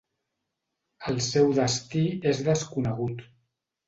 El seu destí és desconegut.